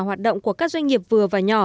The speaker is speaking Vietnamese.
hoạt động của các doanh nghiệp vừa và nhỏ